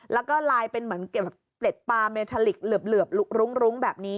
แล้วก็ลายเป็นเหมือนเก็บเปล็ดปลาเมทาลิกเหลือบรุ้งแบบนี้